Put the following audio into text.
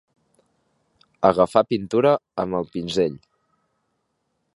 Agafar pintura amb el pinzell.